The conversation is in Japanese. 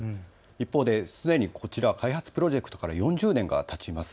一方ですでにこちらは開発プロジェクトから４０年がたちます。